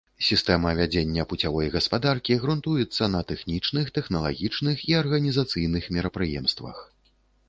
Сістэма вядзення пуцявой гаспадаркі грунтуецца на тэхнічных, тэхналагічных і арганізацыйных мерапрыемствах.